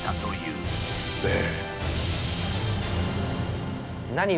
ええ。